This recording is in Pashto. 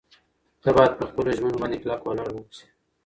ته باید په خپلو ژمنو باندې کلک ولاړ واوسې.